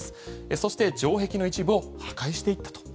そして城壁の一部を破壊していったと。